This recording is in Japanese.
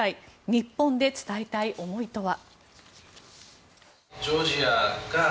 日本で伝えたい思いとは。